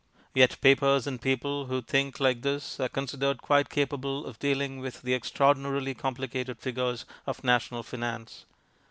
Yet papers and people who think like this are considered quite capable of dealing with the extraordinarily complicated figures of national finance.